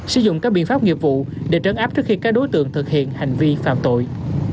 sử dụng các biện pháp nghiệp vụ để trấn áp trước khi các đối tượng thực hiện hành vi phạm tội